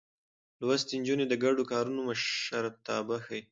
لوستې نجونې د ګډو کارونو مشرتابه ښيي.